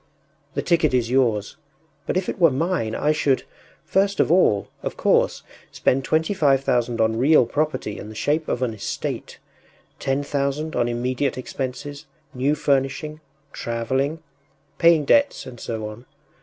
The ticket is yours, but if it were mine I should, first of all, of course, spend twenty five thousand on real property in the shape of an estate; ten thousand on immediate expenses, new furnishing... travelling... paying debts, and so on....